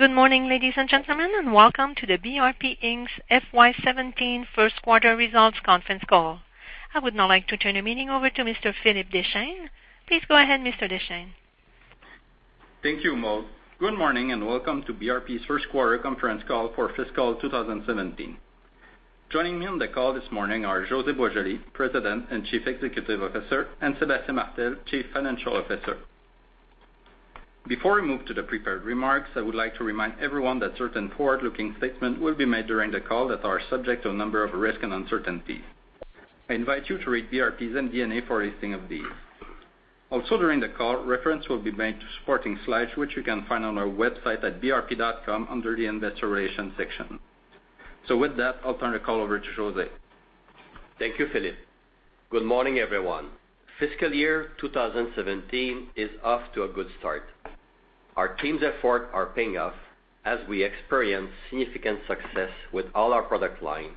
Good morning, ladies and gentlemen, welcome to BRP Inc.'s FY 2017 first quarter results conference call. I would now like to turn the meeting over to Mr. Philippe Deschênes. Please go ahead, Mr. Deschênes. Thank you, Maude. Good morning, welcome to BRP's first quarter conference call for fiscal 2017. Joining me on the call this morning are José Boisjoli, President and Chief Executive Officer, and Sébastien Martel, Chief Financial Officer. Before we move to the prepared remarks, I would like to remind everyone that certain forward-looking statements will be made during the call that are subject to a number of risks and uncertainties. I invite you to read BRP's MD&A for a listing of these. Also during the call, reference will be made to supporting slides, which you can find on our website at brp.com under the Investor Relations section. With that, I'll turn the call over to José. Thank you, Philippe. Good morning, everyone. Fiscal year 2017 is off to a good start. Our team's efforts are paying off as we experience significant success with all our product line,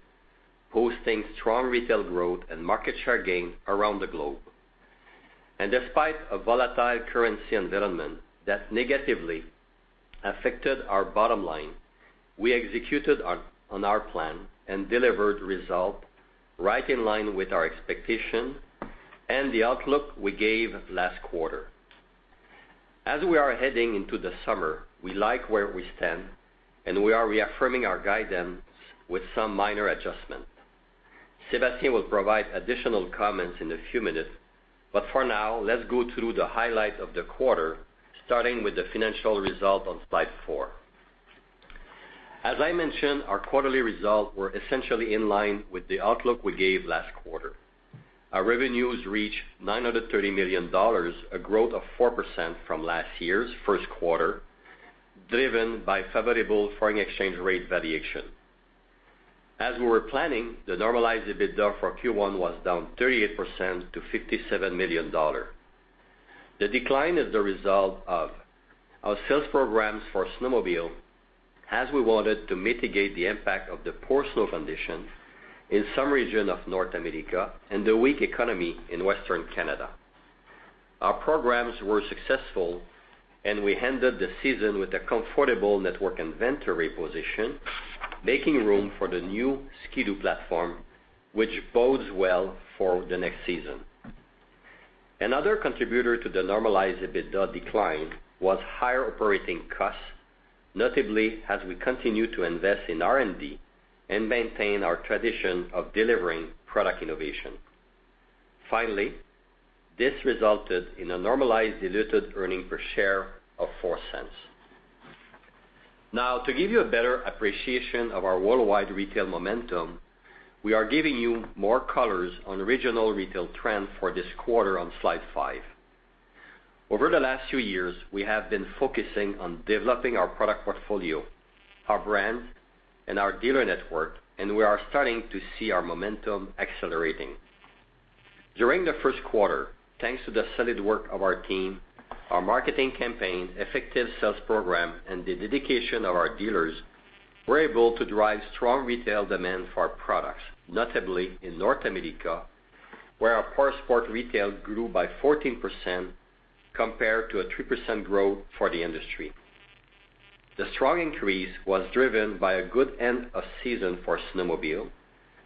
posting strong retail growth and market share gain around the globe. Despite a volatile currency environment that negatively affected our bottom line, we executed on our plan and delivered results right in line with our expectation and the outlook we gave last quarter. As we are heading into the summer, we like where we stand and we are reaffirming our guidance with some minor adjustments. Sébastien will provide additional comments in a few minutes, for now, let's go through the highlights of the quarter, starting with the financial results on slide four. As I mentioned, our quarterly results were essentially in line with the outlook we gave last quarter. Our revenues reached 930 million dollars, a growth of 4% from last year's first quarter, driven by favorable foreign exchange rate variation. As we were planning, the normalized EBITDA for Q1 was down 38% to 57 million dollars. The decline is the result of our sales programs for snowmobiles, as we wanted to mitigate the impact of the poor snow conditions in some regions of North America and the weak economy in Western Canada. Our programs were successful, and we ended the season with a comfortable network inventory position, making room for the new Ski-Doo platform, which bodes well for the next season. Another contributor to the normalized EBITDA decline was higher operating costs, notably as we continue to invest in R&D and maintain our tradition of delivering product innovation. This resulted in a normalized diluted earnings per share of 0.04. To give you a better appreciation of our worldwide retail momentum, we are giving you more colors on regional retail trends for this quarter on slide five. Over the last few years, we have been focusing on developing our product portfolio, our brand, and our dealer network. We are starting to see our momentum accelerating. During the first quarter, thanks to the solid work of our team, our marketing campaign, effective sales program, and the dedication of our dealers, we were able to drive strong retail demand for our products, notably in North America, where our powersport retail grew by 14% compared to a 3% growth for the industry. The strong increase was driven by a good end of season for snowmobile,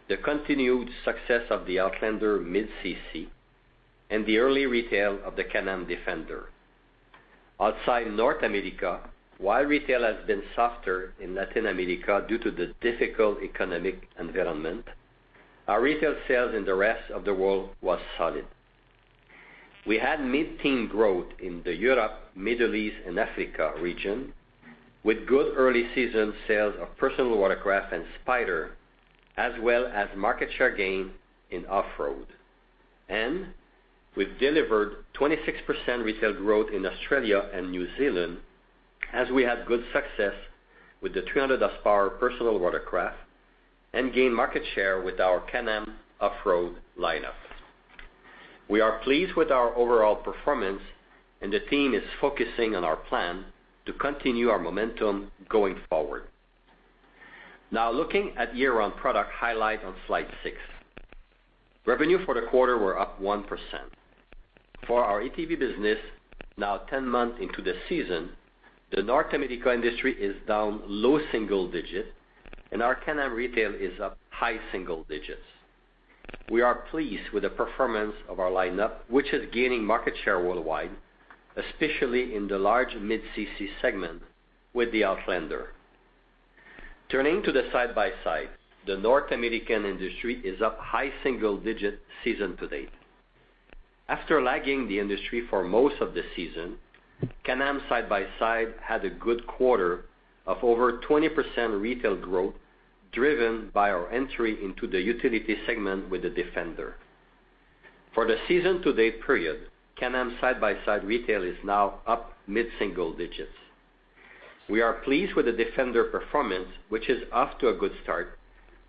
the continued success of the Outlander Mid-CC, and the early retail of the Can-Am Defender. Outside North America, while retail has been softer in Latin America due to the difficult economic environment, our retail sales in the rest of the world was solid. We had mid-teen growth in the Europe, Middle East, and Africa region, with good early-season sales of personal watercraft and Spyder, as well as market share gain in off-road. We've delivered 26% retail growth in Australia and New Zealand as we had good success with the 300 horsepower personal watercraft and gained market share with our Can-Am off-road lineup. We are pleased with our overall performance. The team is focusing on our plan to continue our momentum going forward. Looking at year-round product highlights on slide six. Revenue for the quarter was up 1%. For our ATV business, now 10 months into the season, the North American industry is down low single digits. Our Can-Am retail is up high single digits. We are pleased with the performance of our lineup, which is gaining market share worldwide, especially in the large Mid-CC segment with the Outlander. Turning to the side-by-sides. The North American industry is up high single digits season to date. After lagging the industry for most of the season, Can-Am side-by-sides had a good quarter of over 20% retail growth, driven by our entry into the utility segment with the Defender. For the season-to-date period, Can-Am side-by-side retail is now up mid single digits. We are pleased with the Defender performance, which is off to a good start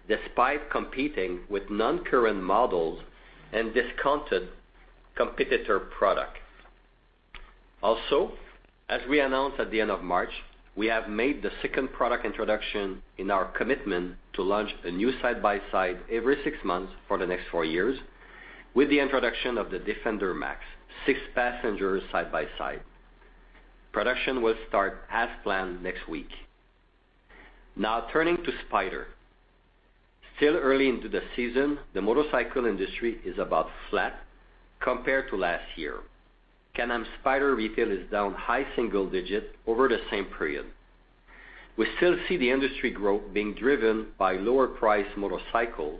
despite competing with non-current models and discounted competitor products. As we announced at the end of March, we have made the second product introduction in our commitment to launch a new side-by-side every six months for the next four years With the introduction of the Defender MAX, six passengers side-by-side. Production will start as planned next week. Turning to Spyder. Still early into the season, the motorcycle industry is about flat compared to last year. Can-Am Spyder retail is down high single digits over the same period. We still see the industry growth being driven by lower price motorcycle,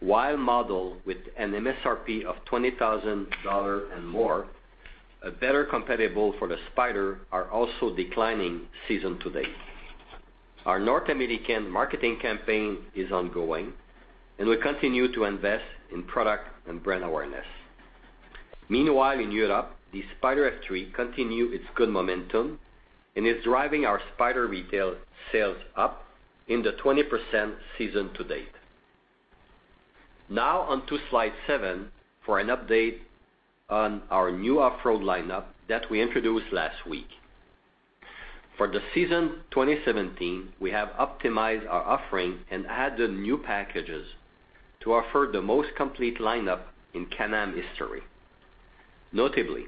while model with an MSRP of 20,000 dollars and more, a better comparable for the Spyder, are also declining season to date. Our North American marketing campaign is ongoing. We continue to invest in product and brand awareness. Meanwhile, in Europe, the Spyder F3 continue its good momentum and is driving our Spyder retail sales up in the 20% season to date. Now on to slide seven for an update on our new off-road lineup that we introduced last week. For the season 2017, we have optimized our offering and added new packages to offer the most complete lineup in Can-Am history. Notably,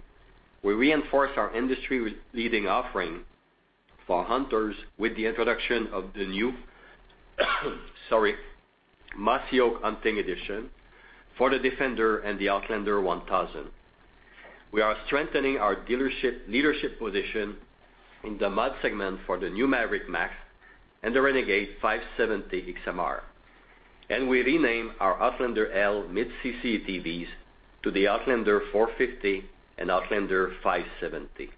we reinforce our industry-leading offering for hunters with the introduction of the new Mossy Oak hunting edition for the Defender and the Outlander 1000. We are strengthening our dealership leadership position in the mud segment for the new Maverick MAX and the Renegade X mr 570. We rename our Outlander L Mid-CC ATVs to the Outlander 450 and Outlander 570.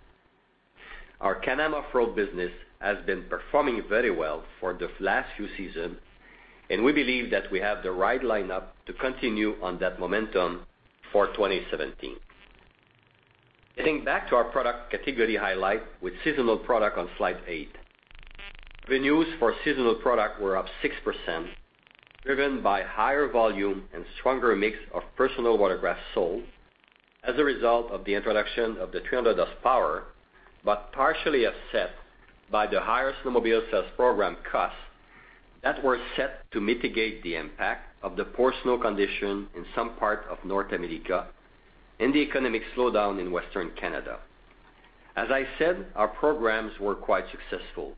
Our Can-Am off-road business has been performing very well for the last few seasons. We believe that we have the right lineup to continue on that momentum for 2017. Getting back to our product category highlight with seasonal product on slide eight. Revenues for seasonal product were up 6%, driven by higher volume and stronger mix of personal watercrafts sold as a result of the introduction of the 300 horsepower. Partially offset by the higher snowmobile sales program costs that were set to mitigate the impact of the poor snow condition in some parts of North America and the economic slowdown in Western Canada. As I said, our programs were quite successful.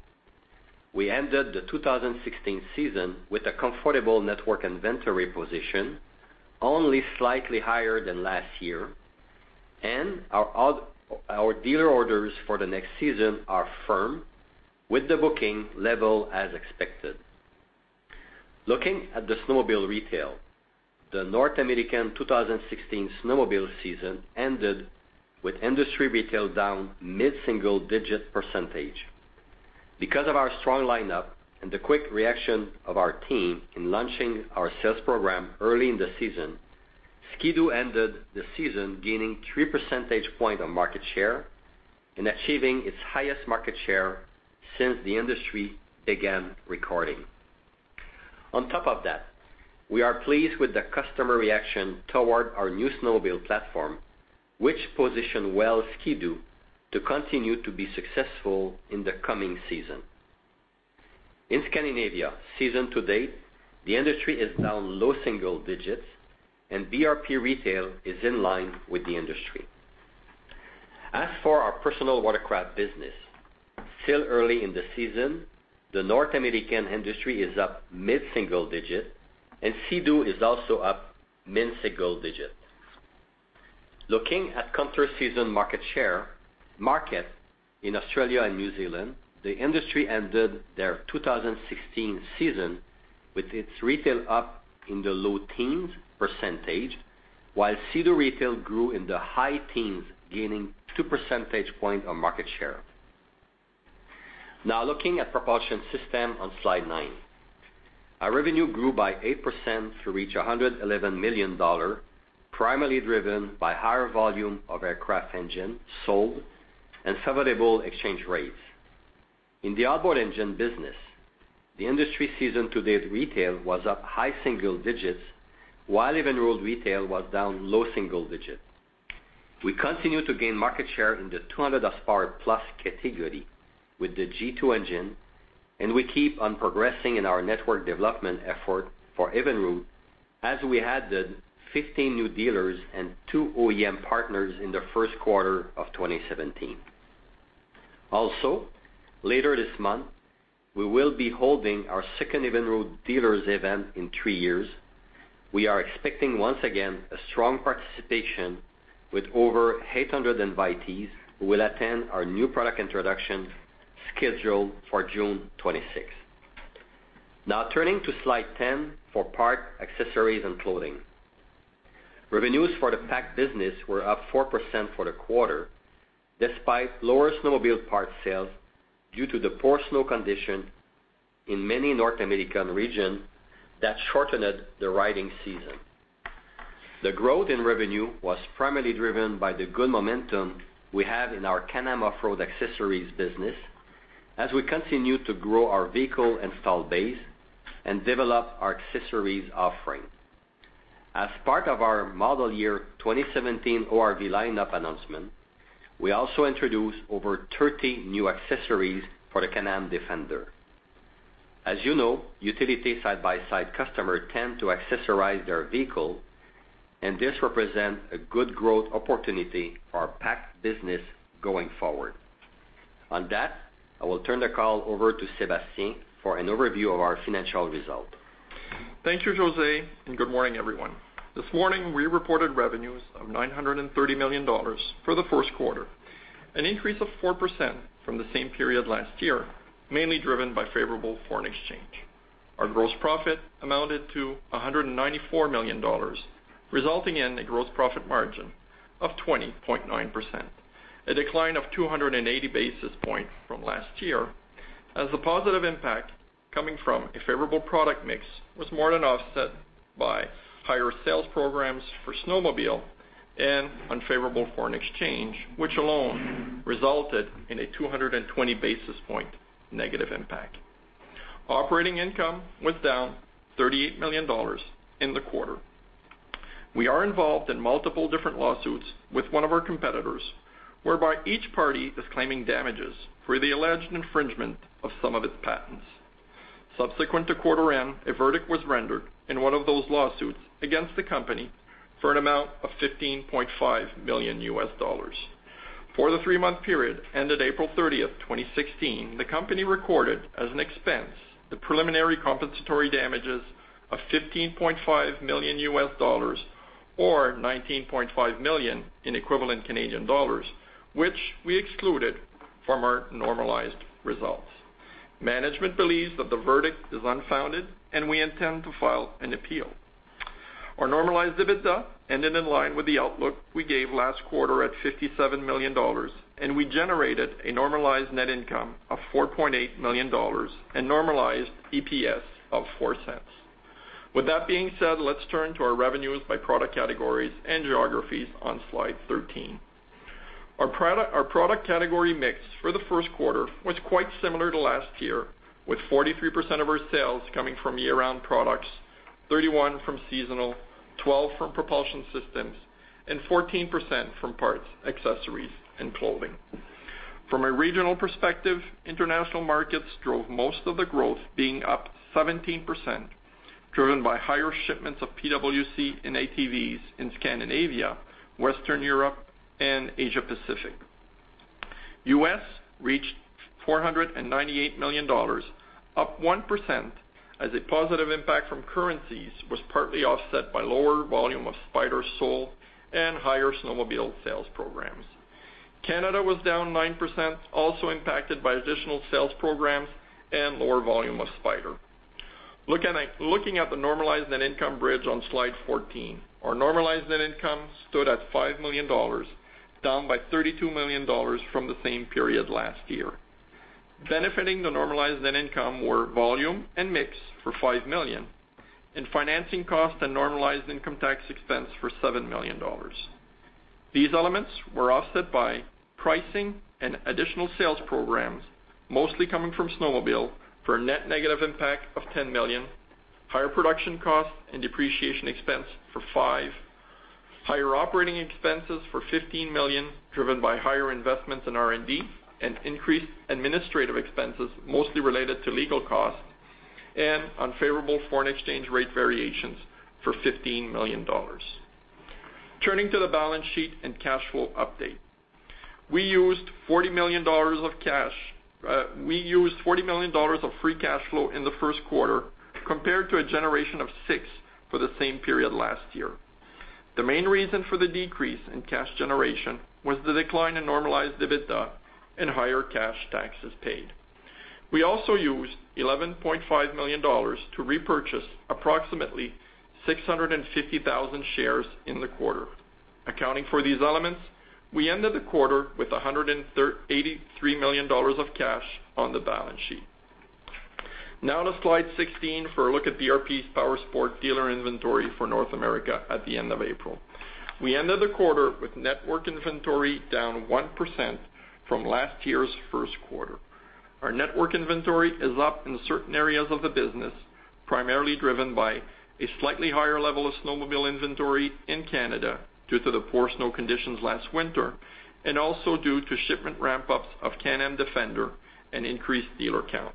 We ended the 2016 season with a comfortable network inventory position only slightly higher than last year. Our dealer orders for the next season are firm with the booking level as expected. Looking at the snowmobile retail, the North American 2016 snowmobile season ended with industry retail down mid-single digit percentage. Because of our strong lineup and the quick reaction of our team in launching our sales program early in the season, Ski-Doo ended the season gaining three percentage points of market share and achieving its highest market share since the industry began recording. On top of that, we are pleased with the customer reaction toward our new snowmobile platform, which position well Ski-Doo to continue to be successful in the coming season. In Scandinavia, season to date, the industry is down low single digits. BRP retail is in line with the industry. As for our personal watercraft business, still early in the season, the North American industry is up mid-single digit. Sea-Doo is also up mid-single digit. Looking at counter-season market share market in Australia and New Zealand, the industry ended their 2016 season with its retail up in the low teens percentage, while Sea-Doo retail grew in the high teens, gaining two percentage points of market share. Now looking at propulsion system on slide nine. Our revenue grew by 8% to reach 111 million dollar, primarily driven by higher volume of aircraft engine sold and favorable exchange rates. In the outboard engine business, the industry season to date retail was up high single digits, while Evinrude retail was down low single digits. We continue to gain market share in the 200 horsepower plus category with the G2 engine. We keep on progressing in our network development effort for Evinrude as we added 15 new dealers and two OEM partners in the first quarter of 2017. Later this month, we will be holding our second Evinrude dealers event in three years. We are expecting, once again, a strong participation with over 800 invitees who will attend our new product introduction scheduled for June 26th. Turning to slide 10 for parts, accessories, and clothing. Revenues for the PAC business were up 4% for the quarter, despite lower snowmobile parts sales due to the poor snow condition in many North American region that shortened the riding season. The growth in revenue was primarily driven by the good momentum we have in our Can-Am off-road accessories business as we continue to grow our vehicle installed base and develop our accessories offering. Part of our model year 2017 ORV lineup announcement, we also introduced over 30 new accessories for the Can-Am Defender. You know, utility side-by-side customer tend to accessorize their vehicle, this represent a good growth opportunity for our parts business going forward. I will turn the call over to Sébastien for an overview of our financial result. Thank you, José, good morning, everyone. This morning, we reported revenues of 930 million dollars for the first quarter, an increase of 4% from the same period last year, mainly driven by favorable foreign exchange. Our gross profit amounted to 194 million dollars, resulting in a gross profit margin of 20.9%, a decline of 280 basis points from last year, as the positive impact coming from a favorable product mix was more than offset by higher sales programs for snowmobile and unfavorable foreign exchange, which alone resulted in a 220 basis points negative impact. Operating income was down 38 million dollars in the quarter. We are involved in multiple different lawsuits with one of our competitors, whereby each party is claiming damages for the alleged infringement of some of its patents. Subsequent to quarter end, a verdict was rendered in one of those lawsuits against the company for an amount of $15.5 million US. For the three-month period ended April 30th, 2016, the company recorded as an expense the preliminary compensatory damages of $15.5 million US, or 19.5 million in equivalent Canadian dollars, which we excluded from our normalized results. Management believes that the verdict is unfounded, we intend to file an appeal. Our normalized EBITDA ended in line with the outlook we gave last quarter at 57 million dollars, we generated a normalized net income of 4.8 million dollars and normalized EPS of 0.04. Let's turn to our revenues by product categories and geographies on slide 13. Our product category mix for the first quarter was quite similar to last year, with 43% of our sales coming from year-round products, 31% from seasonal, 12% from propulsion systems, and 14% from parts, accessories, and clothing. From a regional perspective, international markets drove most of the growth, being up 17%, driven by higher shipments of PWC and ATVs in Scandinavia, Western Europe, and Asia Pacific. U.S. reached $498 million, up 1%, as a positive impact from currencies was partly offset by lower volume of Spyder sold and higher snowmobile sales programs. Canada was down 9%, also impacted by additional sales programs and lower volume of Spyder. Looking at the normalized net income bridge on Slide 14, our normalized net income stood at 5 million dollars, down by 32 million dollars from the same period last year. Benefiting the normalized net income were volume and mix for 5 million and financing cost and normalized income tax expense for 7 million dollars. These elements were offset by pricing and additional sales programs, mostly coming from snowmobile, for a net negative impact of 10 million, higher production costs and depreciation expense for 5 million, higher operating expenses for 15 million, driven by higher investments in R&D and increased administrative expenses, mostly related to legal costs, and unfavorable foreign exchange rate variations for 15 million dollars. Turning to the balance sheet and cash flow update. We used 40 million dollars of free cash flow in the first quarter compared to a generation of 6 million for the same period last year. The main reason for the decrease in cash generation was the decline in normalized EBITDA and higher cash taxes paid. We also used 11.5 million dollars to repurchase approximately 650,000 shares in the quarter. Accounting for these elements, we ended the quarter with 183 million dollars of cash on the balance sheet. Now to Slide 16 for a look at BRP's Powersport dealer inventory for North America at the end of April. We ended the quarter with network inventory down 1% from last year's first quarter. Our network inventory is up in certain areas of the business, primarily driven by a slightly higher level of snowmobile inventory in Canada due to the poor snow conditions last winter and also due to shipment ramp-ups of Can-Am Defender and increased dealer count.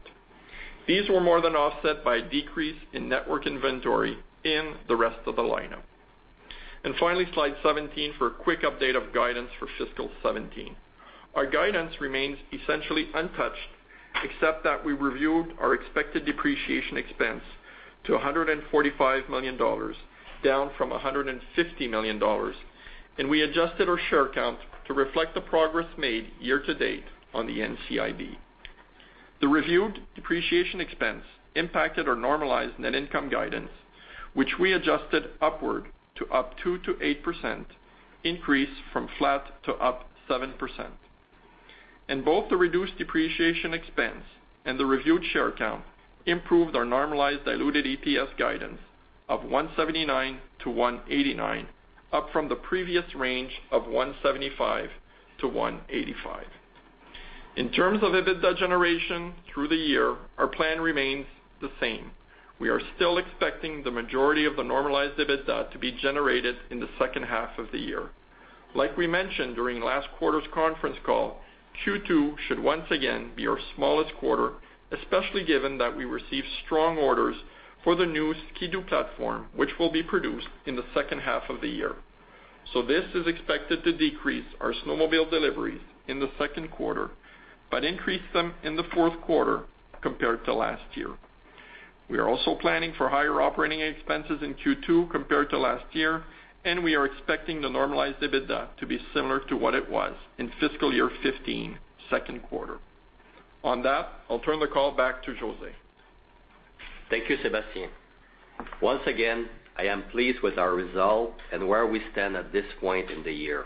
These were more than offset by a decrease in network inventory in the rest of the lineup. Finally, Slide 17 for a quick update of guidance for fiscal 2017. Our guidance remains essentially untouched, except that we reviewed our expected depreciation expense to 145 million dollars, down from 150 million dollars, and we adjusted our share count to reflect the progress made year-to-date on the NCIB. The reviewed depreciation expense impacted our normalized net income guidance, which we adjusted upward to up 2%-8%, increase from flat to up 7%. Both the reduced depreciation expense and the reviewed share count improved our normalized diluted EPS guidance of 1.79-1.89, up from the previous range of 1.75-1.85. In terms of EBITDA generation through the year, our plan remains the same. We are still expecting the majority of the normalized EBITDA to be generated in the second half of the year. We mentioned during last quarter's conference call, Q2 should once again be our smallest quarter, especially given that we received strong orders for the new Ski-Doo platform, which will be produced in the second half of the year. This is expected to decrease our snowmobile deliveries in the second quarter, but increase them in the fourth quarter compared to last year. We are also planning for higher operating expenses in Q2 compared to last year, and we are expecting the normalized EBITDA to be similar to what it was in fiscal year 2015 second quarter. On that, I'll turn the call back to José. Thank you, Sébastien. Once again, I am pleased with our result and where we stand at this point in the year.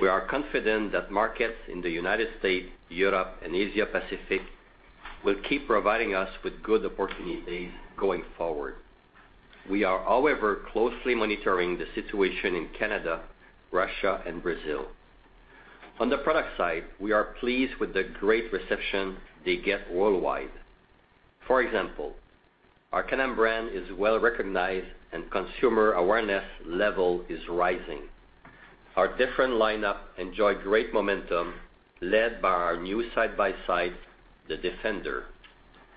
We are confident that markets in the U.S., Europe, and Asia Pacific will keep providing us with good opportunities going forward. We are, however, closely monitoring the situation in Canada, Russia, and Brazil. On the product side, we are pleased with the great reception they get worldwide. For example, our Can-Am brand is well recognized, and consumer awareness level is rising. Our different lineup enjoy great momentum led by our new side-by-side, the Defender.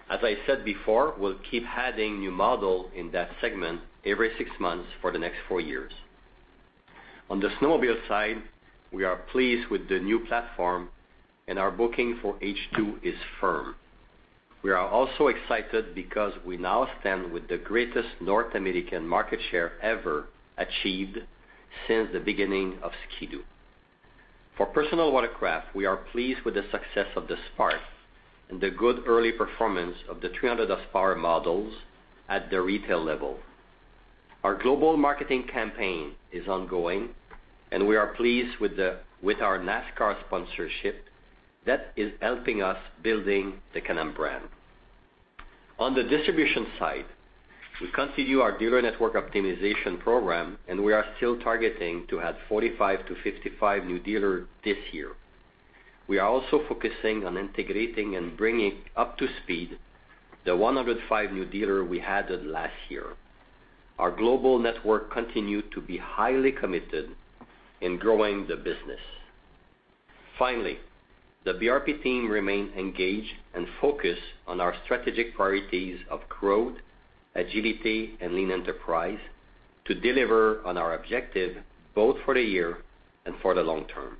As I said before, we'll keep adding new model in that segment every six months for the next four years. On the snowmobile side, we are pleased with the new platform and our booking for H2 is firm. We are also excited because we now stand with the greatest North American market share ever achieved since the beginning of Ski-Doo. For personal watercraft, we are pleased with the success of the Spark and the good early performance of the 300 horsepower models at the retail level. Our global marketing campaign is ongoing, and we are pleased with our NASCAR sponsorship that is helping us building the Can-Am brand. On the distribution side, we continue our dealer network optimization program, and we are still targeting to add 45-55 new dealers this year. We are also focusing on integrating and bringing up to speed the 105 new dealers we added last year. Our global network continue to be highly committed in growing the business. Finally, the BRP team remain engaged and focused on our strategic priorities of growth, agility, and lean enterprise to deliver on our objective both for the year and for the long term.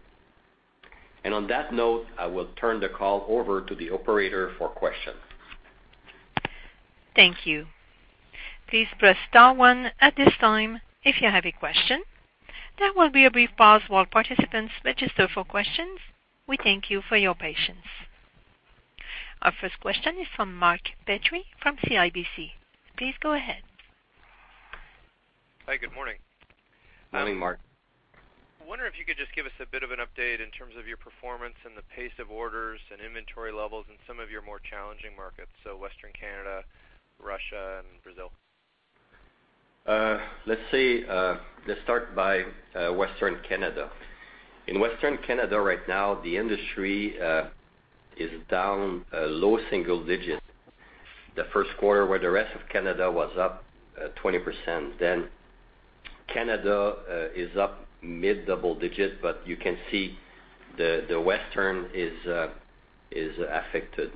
On that note, I will turn the call over to the operator for questions. Thank you. Please press star one at this time if you have a question. There will be a brief pause while participants register for questions. We thank you for your patience. Our first question is from Mark Petrie from CIBC. Please go ahead. Hi, good morning. Morning, Mark. Wondering if you could just give us a bit of an update in terms of your performance and the pace of orders and inventory levels in some of your more challenging markets, so Western Canada, Russia, and Brazil. Let's start by Western Canada. In Western Canada right now, the industry is down low single digits. The first quarter where the rest of Canada was up 20%. Canada is up mid double digits, but you can see the Western is affected.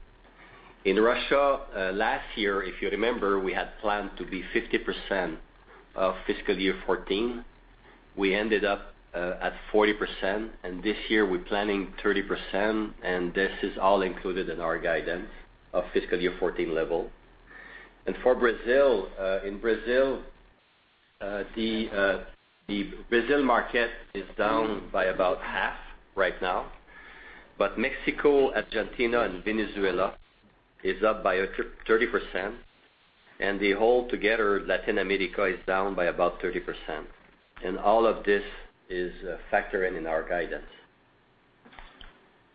In Russia, last year, if you remember, we had planned to be 50% of FY 2014. We ended up at 40%. This year we're planning 30%, and this is all included in our guidance of FY 2014 level. For Brazil, the Brazil market is down by about half right now, but Mexico, Argentina, and Venezuela is up by 30%, and the whole together Latin America is down by about 30%. All of this is a factor in our guidance.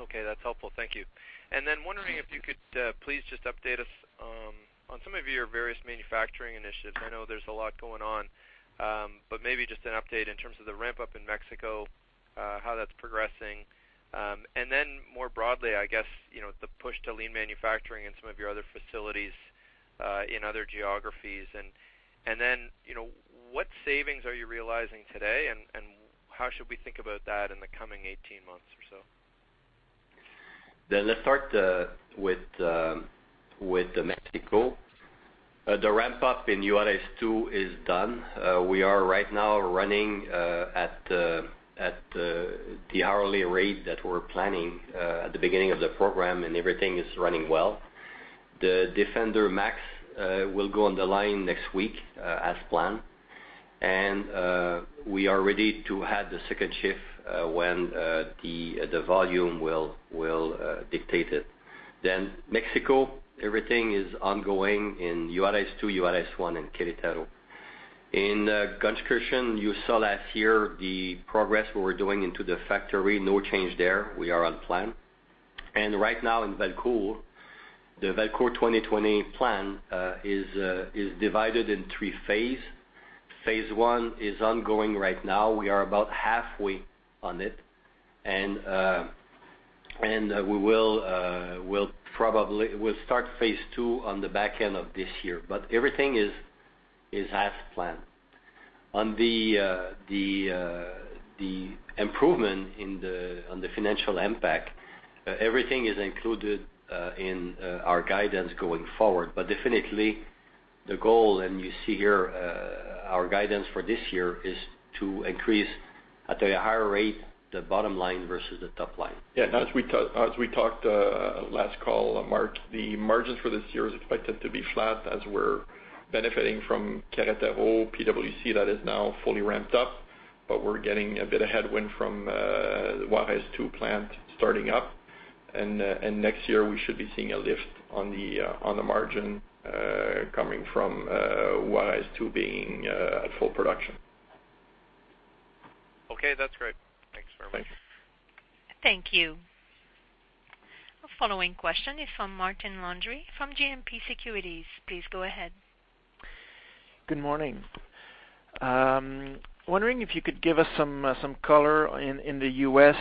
Okay, that's helpful. Thank you. Wondering if you could please just update us on some of your various manufacturing initiatives. I know there's a lot going on. Maybe just an update in terms of the ramp-up in Mexico, how that's progressing. More broadly, I guess, the push to lean manufacturing in some of your other facilities in other geographies. What savings are you realizing today, and how should we think about that in the coming 18 months or so? Let's start with the Mexico. The ramp-up in Juarez 2 is done. We are right now running at the hourly rate that we were planning at the beginning of the program, and everything is running well. The Defender MAX will go on the line next week as planned, and we are ready to have the second shift when the volume will dictate it. Mexico, everything is ongoing in Juarez 2, Juarez 1, and Querétaro. In Gunskirchen, you saw last year the progress we were doing into the factory. No change there. We are on plan. Right now in Valcourt, the Valcourt 2020 plan is divided in three phases. Phase One is ongoing right now. We are about halfway on it. We'll start Phase Two on the back end of this year. Everything is as planned. On the improvement on the financial impact, everything is included in our guidance going forward. Definitely, the goal, and you see here our guidance for this year, is to increase at a higher rate the bottom line versus the top line. Yeah. As we talked last call, Mark, the margins for this year is expected to be flat as we're benefiting from procurement, HR, and IT initiatives with PWC that is now fully ramped up. We're getting a bit of headwind from Juarez 2 plant starting up. Next year, we should be seeing a lift on the margin coming from Juarez 2 being at full production. Okay. That's great. Thanks very much. Thanks. Thank you. Our following question is from Martin Landry from GMP Securities. Please go ahead. Good morning. Wondering if you could give us some color in the U.S.,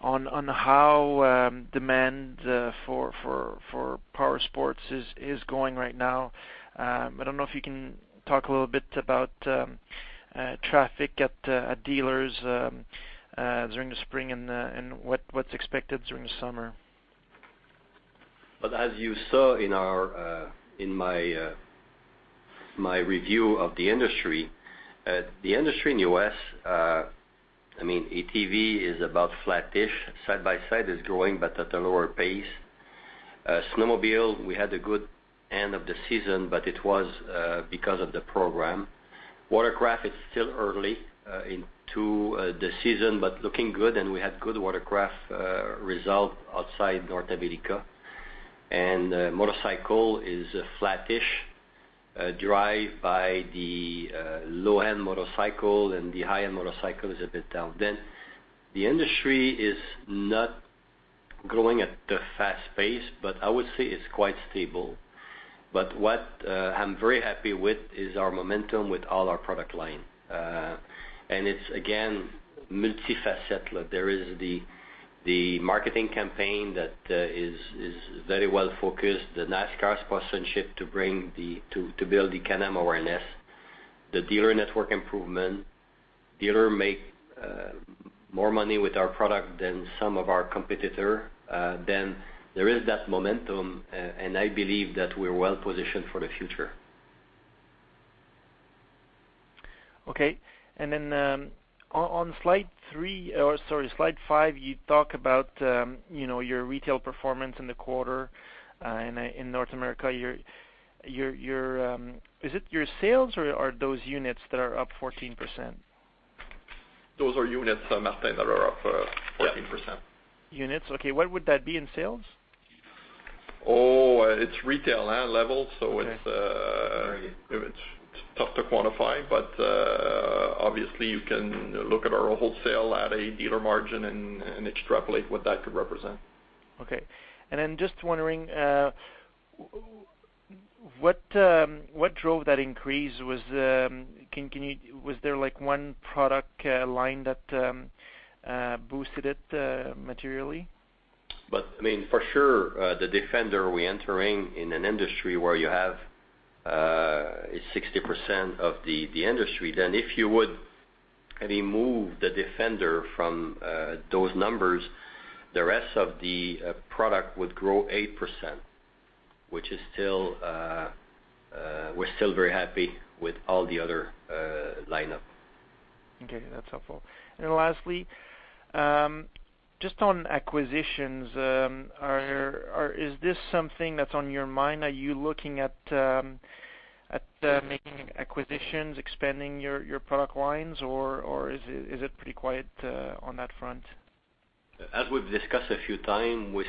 on how demand for power sports is going right now. I don't know if you can talk a little bit about traffic at dealers during the spring and what's expected during the summer. As you saw in my review of the industry, the industry in the U.S., ATV is about flat-ish. Side-by-side is growing, but at a lower pace. Snowmobile, we had a good end of the season, but it was because of the program. Watercraft, it's still early into the season, but looking good, and we had good watercraft result outside North America. Motorcycle is flat-ish, derived by the low-end motorcycle, and the high-end motorcycle is a bit down. The industry is not growing at the fast pace, but I would say it's quite stable. What I'm very happy with is our momentum with all our product line. It's, again, multifaceted. There is the marketing campaign that is very well focused, the NASCAR sponsorship to build the Can-Am awareness, the dealer network improvement. Dealer make more money with our product than some of our competitor. There is that momentum, and I believe that we're well positioned for the future. Okay. On slide three or, sorry, slide five, you talk about your retail performance in the quarter in North America. Is it your sales, or are those units that are up 14%? Those are units, Martin, that are up 14%. Yeah. Units. Okay. What would that be in sales? Oh, it's retail level, so. Okay. Right it's tough to quantify, but, obviously, you can look at our wholesale at a dealer margin and extrapolate what that could represent. Okay. Then just wondering, what drove that increase? Was there one product line that boosted it materially? For sure the Defender, we entering in an industry where you have 60% of the industry. If you would remove the Defender from those numbers, the rest of the product would grow 8%, which we're still very happy with all the other lineup. Okay. That's helpful. Then lastly, just on acquisitions, is this something that's on your mind? Are you looking at making acquisitions, expanding your product lines, or is it pretty quiet on that front? As we've discussed a few time, we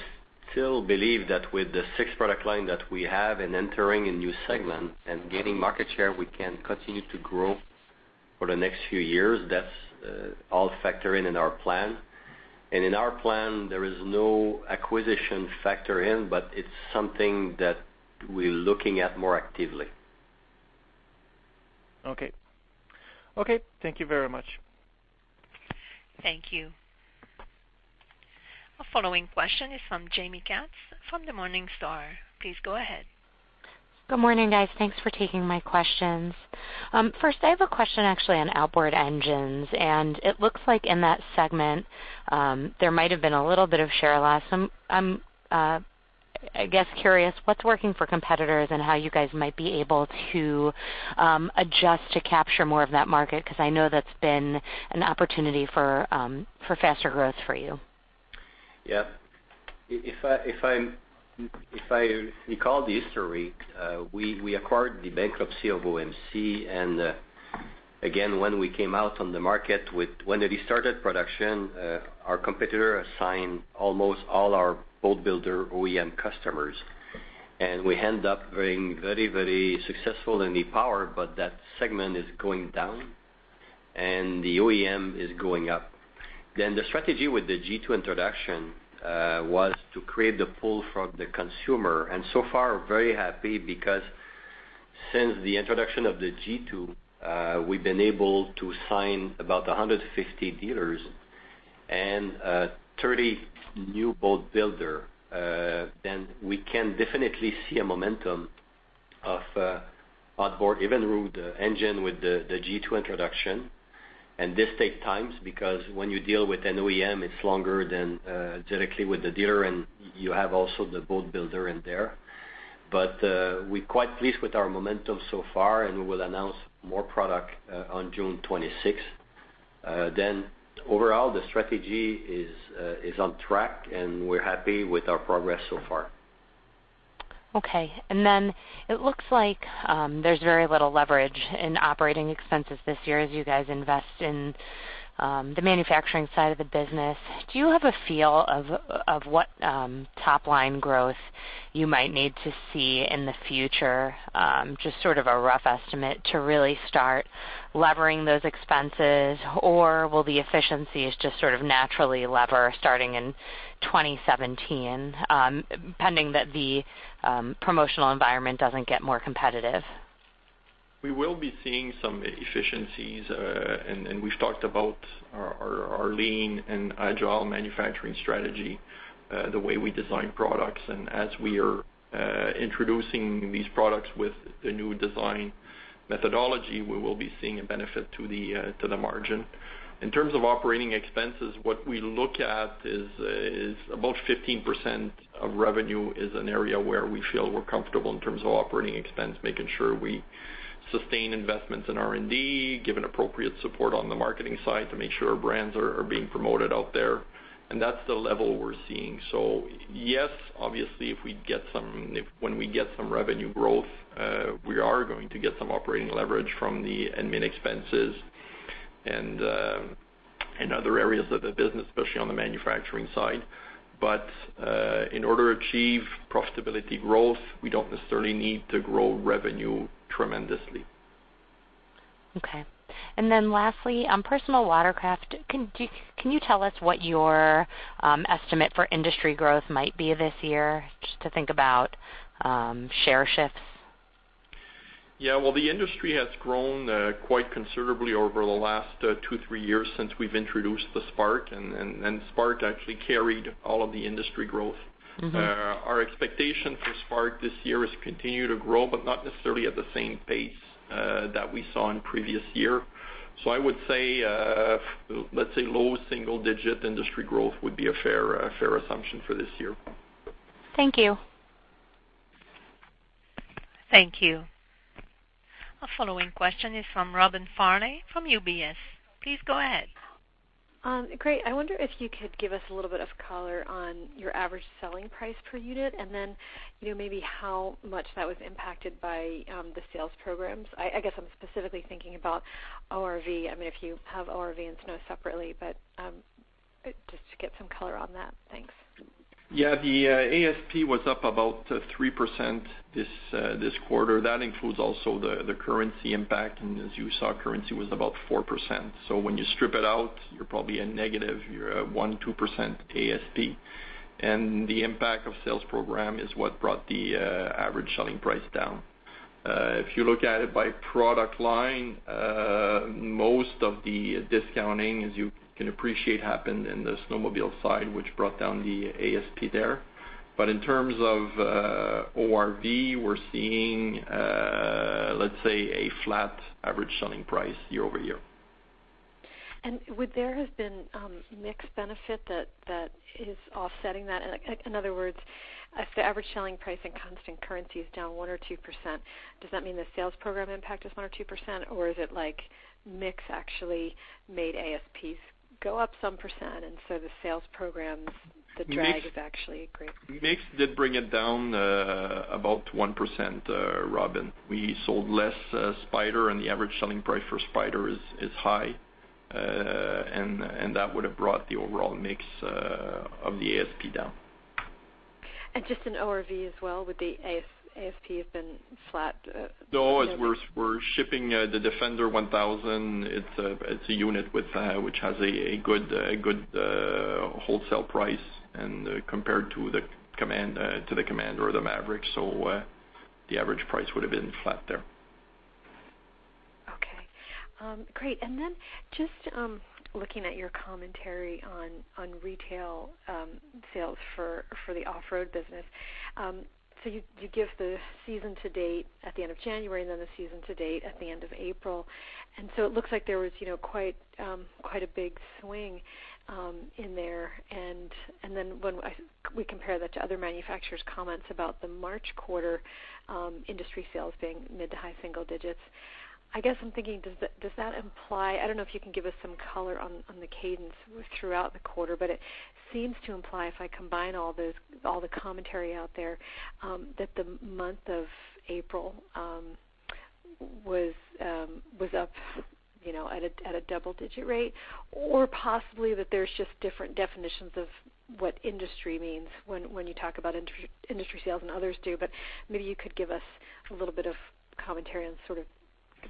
still believe that with the six product line that we have and entering a new segment and gaining market share, we can continue to grow for the next few years. That's all factor in in our plan. In our plan, there is no acquisition factor in, but it's something that we're looking at more actively. Okay. Thank you very much. Thank you. Our following question is from Jaime Katz from Morningstar. Please go ahead. Good morning, guys. Thanks for taking my questions. First, I have a question actually on outboard engines, and it looks like in that segment, there might have been a little bit of share loss. I'm, I guess, curious what's working for competitors and how you guys might be able to adjust to capture more of that market, because I know that's been an opportunity for faster growth for you. Yeah. If I recall the history, we acquired the bankruptcy of OMC. We end up being very successful in the power, but that segment is going down, and the OEM is going up. The strategy with the G2 introduction was to create the pull from the consumer, and so far, very happy because Since the introduction of the G2, we've been able to sign about 150 dealers and 30 new boat builders. We can definitely see a momentum of outboard, even with the engine, with the G2 introduction. This takes time, because when you deal with an OEM, it's longer than directly with the dealer, and you have also the boat builder in there. We're quite pleased with our momentum so far, and we will announce more product on June 26. Overall, the strategy is on track, and we're happy with our progress so far. Okay. It looks like there's very little leverage in operating expenses this year as you guys invest in the manufacturing side of the business. Do you have a feel of what top-line growth you might need to see in the future, just sort of a rough estimate to really start levering those expenses? Or will the efficiencies just sort of naturally lever starting in 2017, pending that the promotional environment doesn't get more competitive? We will be seeing some efficiencies, and we've talked about our lean and agile manufacturing strategy, the way we design products. As we are introducing these products with the new design methodology, we will be seeing a benefit to the margin. In terms of operating expenses, what we look at is about 15% of revenue is an area where we feel we're comfortable in terms of operating expense, making sure we sustain investments in R&D, give an appropriate support on the marketing side to make sure our brands are being promoted out there. That's the level we're seeing. Yes, obviously, when we get some revenue growth, we are going to get some operating leverage from the admin expenses and other areas of the business, especially on the manufacturing side. In order to achieve profitability growth, we don't necessarily need to grow revenue tremendously. Okay. Lastly, personal watercraft. Can you tell us what your estimate for industry growth might be this year, just to think about share shifts? Yeah. Well, the industry has grown quite considerably over the last two, three years since we've introduced the Spark, and Spark actually carried all of the industry growth. Our expectation for Spark this year is to continue to grow, but not necessarily at the same pace that we saw in the previous year. I would say, let's say low single-digit industry growth would be a fair assumption for this year. Thank you. Thank you. Our following question is from Robin Farley from UBS. Please go ahead. Great. I wonder if you could give us a little bit of color on your average selling price per unit, and then maybe how much that was impacted by the sales programs. I guess I'm specifically thinking about ORV, if you have ORV and snow separately, but just to get some color on that. Thanks. Yeah, the ASP was up about 3% this quarter. That includes also the currency impact, and as you saw, currency was about 4%. When you strip it out, you're probably a negative, you're a 1%, 2% ASP. The impact of sales program is what brought the average selling price down. If you look at it by product line, most of the discounting, as you can appreciate, happened in the snowmobile side, which brought down the ASP there. In terms of ORV, we're seeing, let's say, a flat average selling price year-over-year. Would there have been mixed benefit that is offsetting that? In other words, if the average selling price in constant currency is down 1% or 2%, does that mean the sales program impact is 1% or 2%, or is it like mix actually made ASPs go up some %, and so the sales programs, the drag is actually great? Mix did bring it down about 1%, Robin. We sold less Spyder, and the average selling price for Spyder is high, and that would have brought the overall mix of the ASP down. Just in ORV as well, would the ASP have been flat? As we're shipping the Defender 1000, it's a unit which has a good wholesale price compared to the Commander or the Maverick. The average price would have been flat there. Okay. Great. Just looking at your commentary on retail sales for the off-road business. You give the season to date at the end of January and then the season to date at the end of April. It looks like there was quite a big swing in there. When we compare that to other manufacturers' comments about the March quarter industry sales being mid-to-high single digits, I guess I'm thinking, does that imply I don't know if you can give us some color on the cadence throughout the quarter, but it seems to imply, if I combine all the commentary out there, that the month of April was up at a double-digit rate, or possibly that there's just different definitions of what industry means when you talk about industry sales and others do. Maybe you could give us a little bit of commentary on sort of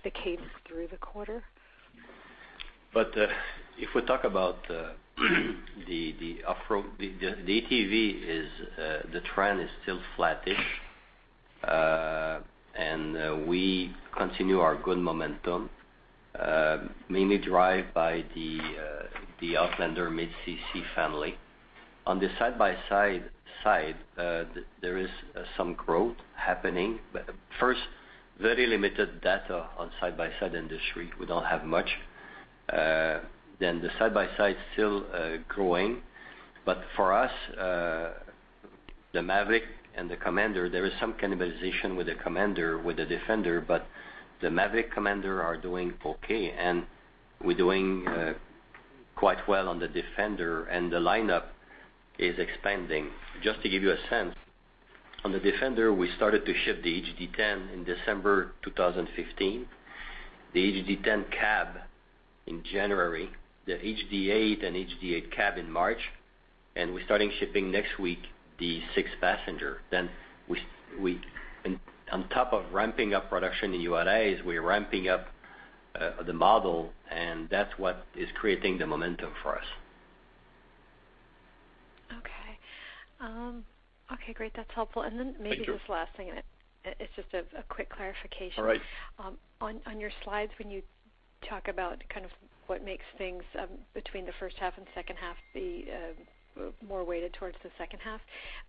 the cadence through the quarter. If we talk about the ATV, the trend is still flattish. We continue our good momentum, mainly driven by the Outlander Mid-CC family. On the side-by-side side, there is some growth happening. First, very limited data on side-by-side industry. We don't have much. The side-by-side is still growing. For us, the Maverick and the Commander, there is some cannibalization with the Commander, with the Defender, but the Maverick, Commander are doing okay, and we're doing quite well on the Defender, and the lineup is expanding. Just to give you a sense, on the Defender, we started to ship the HD10 in December 2015, the HD10 Cab in January, the HD8 and HD8 Cab in March, and we're starting shipping next week, the six-passenger. On top of ramping up production in our tags we're ramping up the model, that's what is creating the momentum for us. Okay. Okay, great. That's helpful. Thank you. Then maybe just last thing, it's just a quick clarification. All right. On your slides, when you talk about what makes things between the first half and second half be more weighted towards the second half,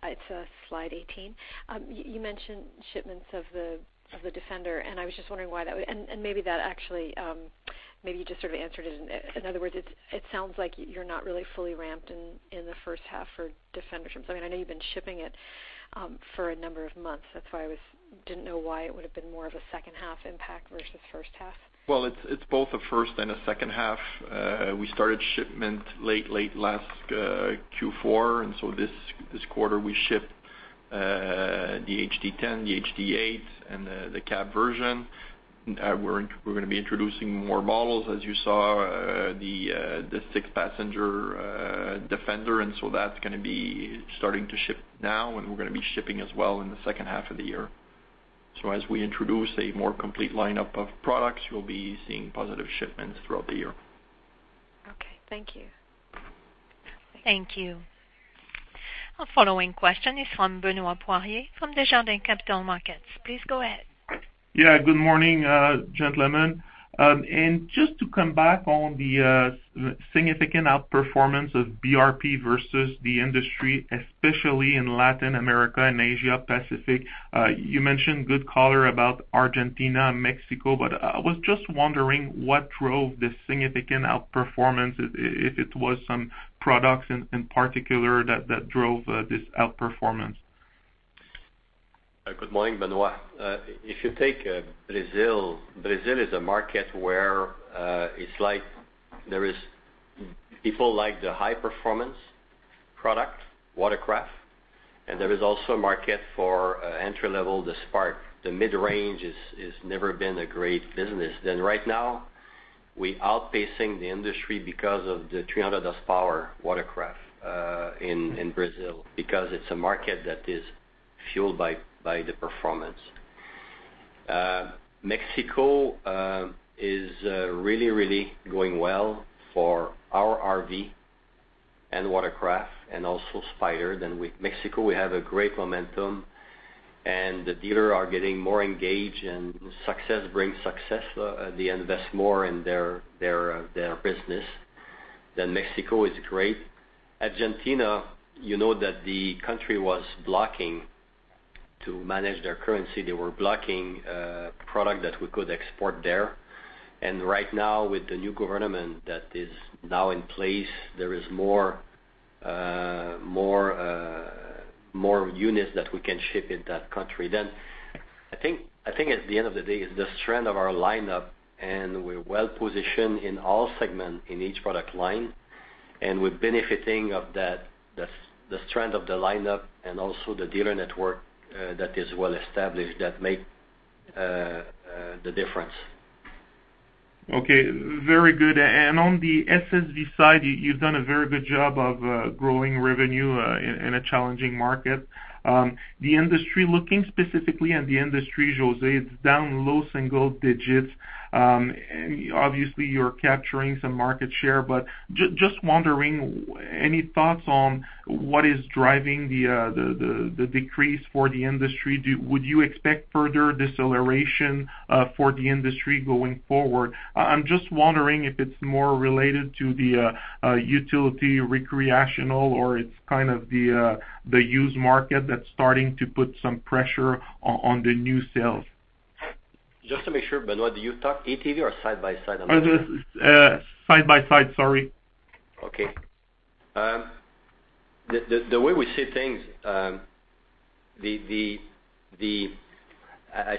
it's slide 18. You mentioned shipments of the Defender, and I was just wondering why that would and maybe you just sort of answered it. In other words, it sounds like you're not really fully ramped in the first half for Defender ships. I know you've been shipping it for a number of months. That's why I didn't know why it would've been more of a second half impact versus first half. Well, it's both a first and a second half. We started shipment late last Q4, and so this quarter, we shipped the HD10, the HD8, and the cab version. We're going to be introducing more models, as you saw, the six-passenger Defender, and so that's going to be starting to ship now, and we're going to be shipping as well in the second half of the year. As we introduce a more complete lineup of products, you'll be seeing positive shipments throughout the year. Okay. Thank you. Thank you. Our following question is from Benoit Poirier from Desjardins Capital Markets. Please go ahead. Good morning, gentlemen. Just to come back on the significant outperformance of BRP versus the industry, especially in Latin America and Asia Pacific. You mentioned good color about Argentina and Mexico, but I was just wondering what drove this significant outperformance, if it was some products in particular that drove this outperformance. Good morning, Benoit. If you take Brazil is a market where people like the high-performance product, watercraft, and there is also a market for entry level, the Spark. The mid-range has never been a great business. Right now, we're outpacing the industry because of the 300 horsepower watercraft in Brazil, because it's a market that is fueled by the performance. Mexico is really, really going well for our RV and watercraft and also Spyder. With Mexico, we have a great momentum, and the dealers are getting more engaged and success brings success. They invest more in their business. Mexico is great. Argentina, you know that the country was blocking to manage their currency. They were blocking product that we could export there. Right now, with the new government that is now in place, there is more units that we can ship in that country. I think at the end of the day, it's the strength of our lineup, we're well positioned in all segments in each product line, we're benefiting of the strength of the lineup and also the dealer network that is well established that make the difference. Okay. Very good. On the SSV side, you've done a very good job of growing revenue in a challenging market. The industry, looking specifically at the industry, José, it's down low single digits. Obviously, you're capturing some market share, just wondering, any thoughts on what is driving the decrease for the industry? Would you expect further deceleration for the industry going forward? I'm just wondering if it's more related to the utility recreational, or it's kind of the used market that's starting to put some pressure on the new sales. Just to make sure, Benoit, do you talk ATV or side by side on this? Side by side. Sorry. Okay. The way we see things, I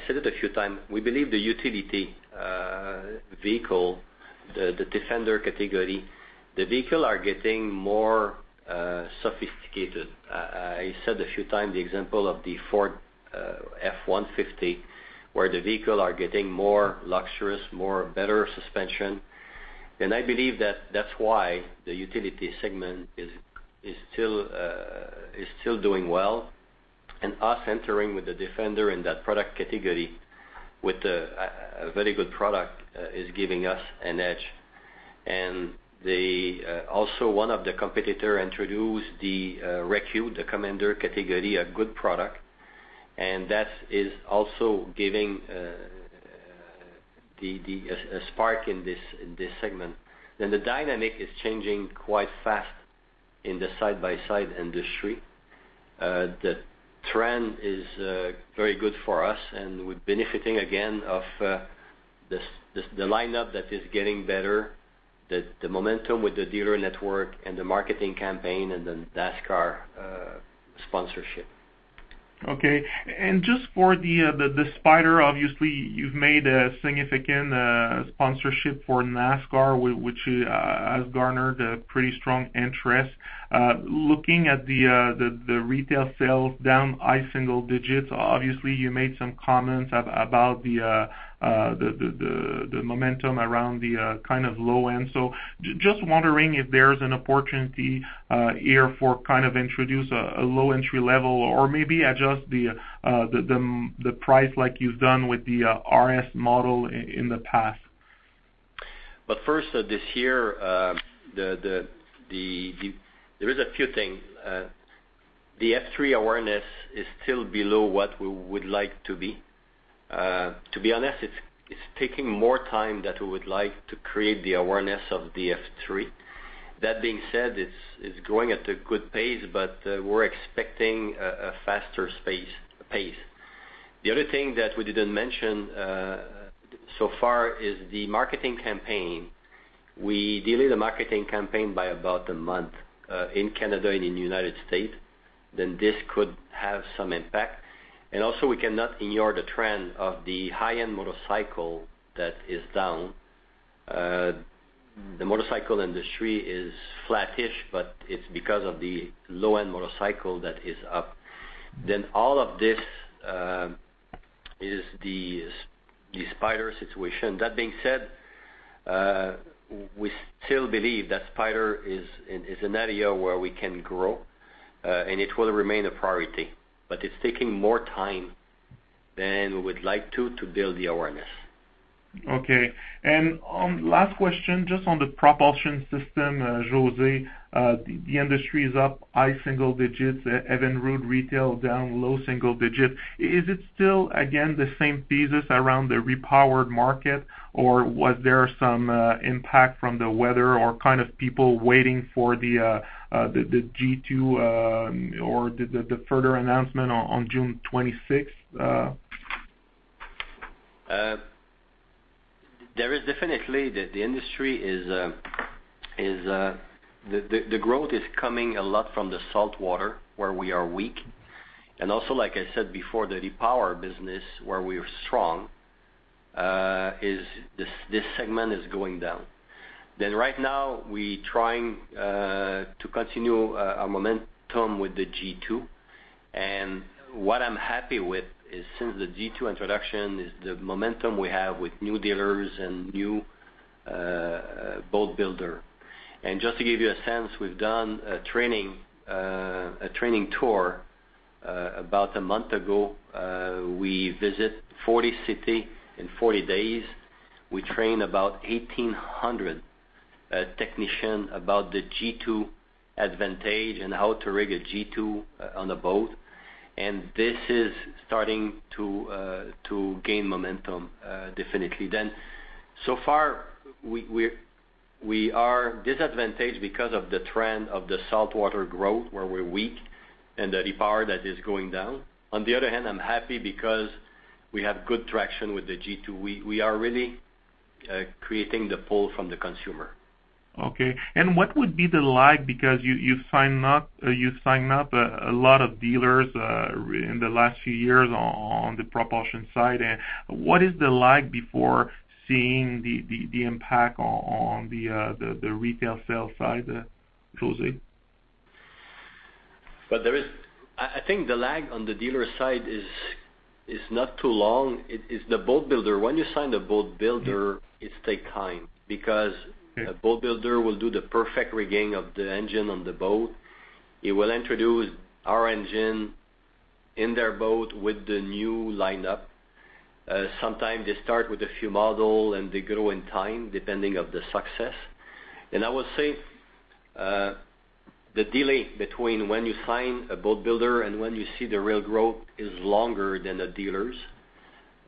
said it a few times, we believe the utility vehicle, the Defender category, the vehicle are getting more sophisticated. I said a few times the example of the Ford F-150, where the vehicle are getting more luxurious, better suspension. I believe that that's why the utility segment is still doing well. Us entering with the Defender in that product category with a very good product is giving us an edge. Also one of the competitor introduced the recently, the Commander category, a good product, and that is also giving a spark in this segment. The dynamic is changing quite fast in the side-by-side industry. The trend is very good for us, and we're benefiting again of the lineup that is getting better, the momentum with the dealer network, and the marketing campaign, and the NASCAR sponsorship. Just for the Spyder, obviously, you've made a significant sponsorship for NASCAR, which has garnered a pretty strong interest. Looking at the retail sales down high single digits, obviously, you made some comments about the momentum around the kind of low end. Just wondering if there's an opportunity here for kind of introduce a low entry level or maybe adjust the price like you've done with the RS model in the past. First, this year, there is a few things. The F3 awareness is still below what we would like to be. To be honest, it's taking more time that we would like to create the awareness of the F3. That being said, it's growing at a good pace, but we're expecting a faster pace. The other thing that we didn't mention so far is the marketing campaign. We delayed the marketing campaign by about a month in Canada and in the U.S. This could have some impact. Also we cannot ignore the trend of the high-end motorcycle that is down. The motorcycle industry is flattish, but it's because of the low-end motorcycle that is up. All of this is the Spyder situation. That being said, we still believe that Spyder is an area where we can grow, and it will remain a priority. It's taking more time than we would like to build the awareness. Okay. Last question, just on the propulsion system, José, the industry is up high single digits. Evinrude retail down low single digits. Is it still, again, the same thesis around the repowered market, or was there some impact from the weather or kind of people waiting for the G2 or the further announcement on June 26th? The growth is coming a lot from the saltwater, where we are weak, and also, like I said before, the repower business, where we are strong, this segment is going down. Right now, we trying to continue our momentum with the G2. What I'm happy with is since the G2 introduction is the momentum we have with new dealers and new boat builder. Just to give you a sense, we've done a training tour about a month ago. We visit 40 city in 40 days. We train about 1,800 technician about the G2 advantage and how to rig a G2 on a boat. This is starting to gain momentum, definitely. So far, we are disadvantaged because of the trend of the saltwater growth, where we're weak, and the repower that is going down. On the other hand, I'm happy because we have good traction with the G2. We are really creating the pull from the consumer. Okay. What would be the lag because you signed up a lot of dealers in the last few years on the propulsion side. What is the lag before seeing the impact on the retail sales side, José? I think the lag on the dealer side is not too long. It's the boat builder. When you sign the boat builder- Yeah it takes time because. Yeah A boat builder will do the perfect rigging of the engine on the boat. He will introduce our engine in their boat with the new lineup. Sometimes they start with a few models, and they grow in time, depending of the success. I would say the delay between when you sign a boat builder and when you see the real growth is longer than the dealers.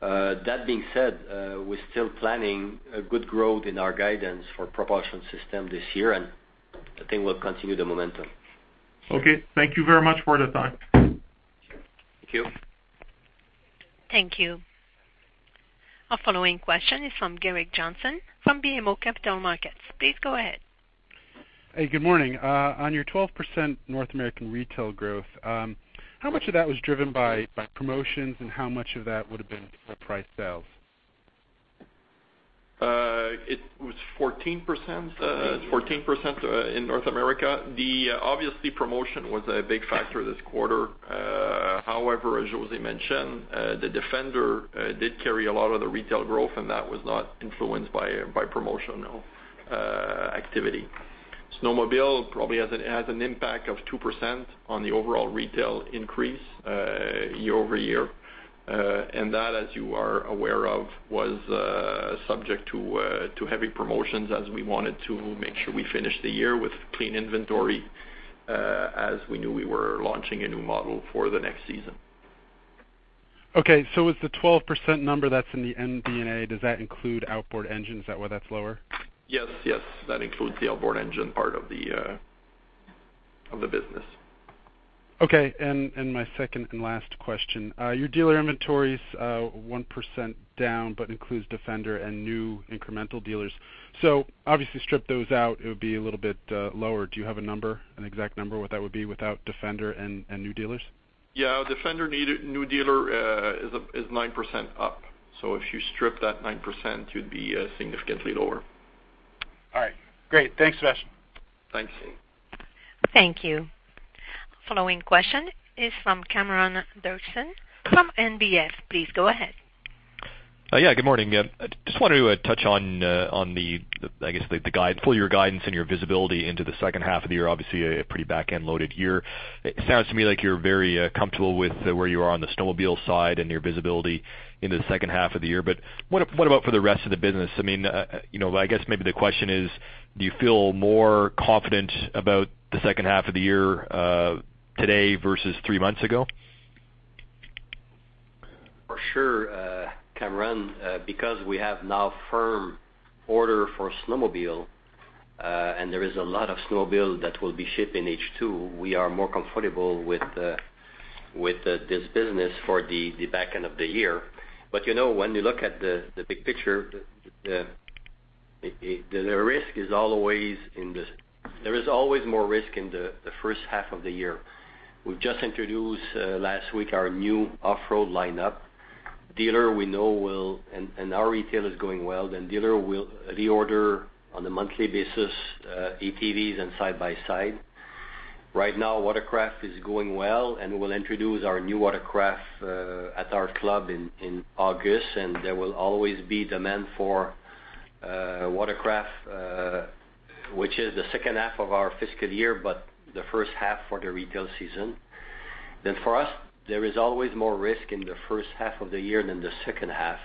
That being said, we're still planning a good growth in our guidance for propulsion system this year, and I think we'll continue the momentum. Okay. Thank you very much for the time. Thank you. Thank you. Our following question is from Gerrick Johnson from BMO Capital Markets. Please go ahead. Hey, good morning. On your 12% North American retail growth, how much of that was driven by promotions, and how much of that would've been price sales? It was 14% in North America. Obviously, promotion was a big factor this quarter. However, as José mentioned, the Defender did carry a lot of the retail growth, and that was not influenced by promotional activity. Snowmobile probably has an impact of 2% on the overall retail increase year-over-year. That, as you are aware of, was subject to heavy promotions as we wanted to make sure we finish the year with clean inventory, as we knew we were launching a new model for the next season. Okay. Is the 12% number that's in the MD&A, does that include outboard engine? Is that why that's lower? Yes. That includes the outboard engine part of the business. My second and last question. Your dealer inventory's 1% down but includes Defender and new incremental dealers. Obviously strip those out, it would be a little bit lower. Do you have a number, an exact number what that would be without Defender and new dealers? Yeah. Defender new dealer is 9% up. If you strip that 9%, you'd be significantly lower. All right. Great. Thanks, Sébastien. Thanks. Thank you. Following question is from Cameron Doerksen from National Bank Financial. Please go ahead. Good morning. Just wanted to touch on, I guess, fully your guidance and your visibility into the second half of the year. Obviously, a pretty back-end loaded year. It sounds to me like you are very comfortable with where you are on the snowmobile side and your visibility into the second half of the year. What about for the rest of the business? I guess maybe the question is, do you feel more confident about the second half of the year today versus three months ago? For sure, Cameron, because we have now firm order for snowmobile, and there is a lot of snowmobile that will be shipped in H2, we are more comfortable with this business for the back end of the year. When you look at the big picture, there is always more risk in the first half of the year. We have just introduced, last week, our new off-road lineup. Dealer we know will-- and our retail is going well, then dealer will reorder on a monthly basis, ATVs and side by side. Right now, watercraft is going well, and we will introduce our new watercraft at our club in August. There will always be demand for watercraft, which is the second half of our fiscal year, but the first half for the retail season. For us, there is always more risk in the first half of the year than the second half,